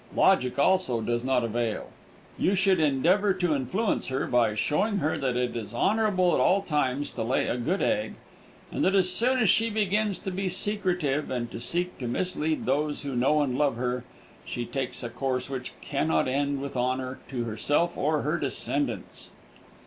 Logic also does not avail. You should endeavor to influence her by showing her that it is honorable at all times to lay a good egg, and that as soon as she begins to be secretive and to seek to mislead those who know and love her, she takes a course which can not end with honor to herself or her descendants.